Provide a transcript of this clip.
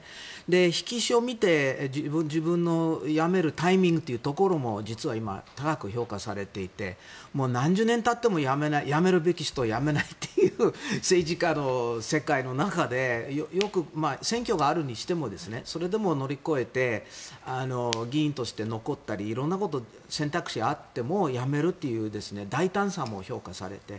引き潮を見て、自分の辞めるタイミングというのも実は今、高く評価されていて何十年たっても辞めるべき人が辞めないという政治家の世界の中で選挙があるにしてもそれでも乗り越えて議員として残ったり色んなこと、選択肢があっても辞めるという大胆さも評価されて。